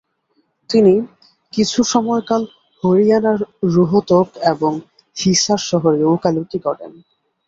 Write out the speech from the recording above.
তিনি কিছুসময়কাল হরিয়াণার রোহতক এবং হিসার শহরে উকালতি করেন।